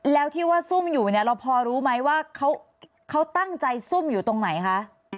แล้วที่ว่าซุ่มอยู่เนี่ยเราพอรู้ไหมว่าเขาตั้งใจซุ่มอยู่ตรงไหนคะ